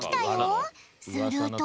すると。